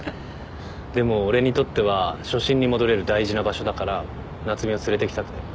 でも俺にとっては初心に戻れる大事な場所だから夏海を連れてきたくて。